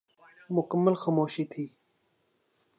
مکمل خاموشی تھی ۔